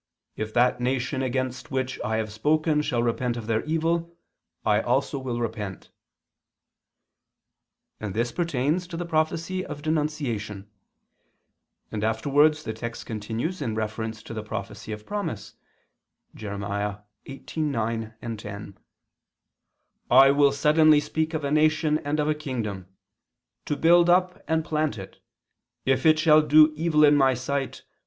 If that nation against which I have spoken shall repent of their evil, I also will repent" and this pertains to the prophecy of denunciation, and afterwards the text continues in reference to the prophecy of promise (Jer. 18:9, 10): "I will suddenly speak of a nation and of a kingdom, to build up and plant it. If it shall do evil in My sight